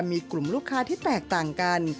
มีกลุ่มลูกค้าที่แตกต่างกัน